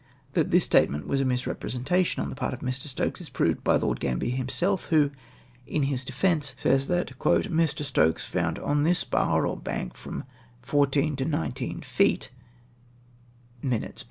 That this statement was a misrepresentation on the part of Mr. Stokes, is proved by Lord Gambler himself, who, in his defence, says that " Mr. Stokes found on this bar or bank from fourteen to nineteen feet {Minutes, p.